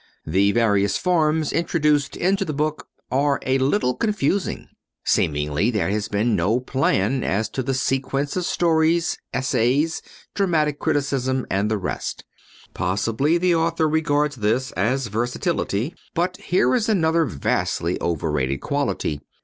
The various forms introduced into the book are a little confusing. Seemingly there has been no plan as to the sequence of stories, essays, dramatic criticism and the rest. Possibly the author regards this as versatility, but here is another vastly overrated quality.